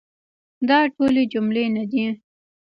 دا ټولي جملې نه دي .